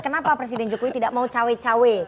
kenapa presiden jokowi tidak mau cawe cawe